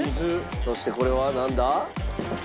そしてこれはなんだ？